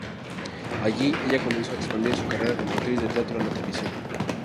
Allí, ella comenzó a expandir su carrera como actriz de teatro a la televisión.